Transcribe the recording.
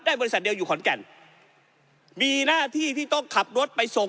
บริษัทเดียวอยู่ขอนแก่นมีหน้าที่ที่ต้องขับรถไปส่ง